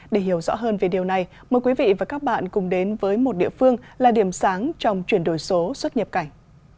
để hiểu rõ hơn về điều này mời quý vị và các bạn cùng đến với một địa phương là điểm sáng trong chuyển đổi số xuất nhập cảnh